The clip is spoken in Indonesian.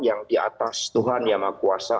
yang diatas tuhan yang mengkuasa